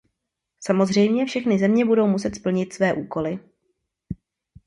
Samozřejmě, všechny země budou muset splnit své úkoly.